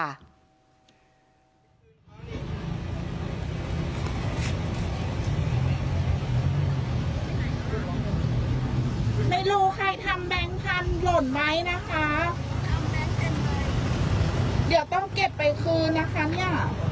ไม่รู้ใครทำแบงค์พันธุ์หล่นไหมนะคะเดี๋ยวต้องเก็บไปคืนนะคะเนี้ย